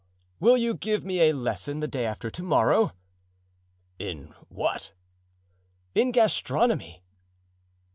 "Will you give me a lesson the day after to morrow?" "In what?" "In gastronomy?"